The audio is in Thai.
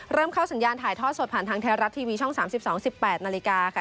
เริ่มเข้าสัญญาณถ่ายทอดสดผ่านทางไทยรัฐทีวีช่อง๓๒๑๘นาฬิกาค่ะ